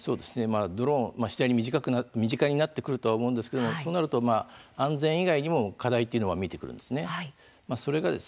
ドローンも身近になってくると思うんですがそうなると安全以外にも課題というのが見えてくるんです。